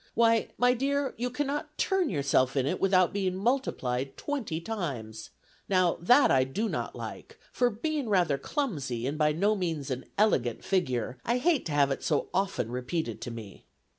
Why, my dear, you cannot turn yourself in it without being multiplied twenty times; now that I do not like, for being rather clumsy, and by no means an elegant figure, I hate to have it so often repeated to me.